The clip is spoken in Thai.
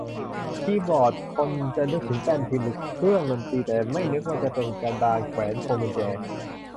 คีย์บอร์ด คนจะนึกถึงแป้นพิมพ์ หรือเครื่องดนตรี แต่จะไม่นึกว่าเป็นกระดานแขวนพวงกุญแจ